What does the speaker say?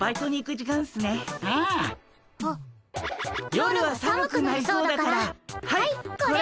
夜は寒くなりそうだからはいこれ。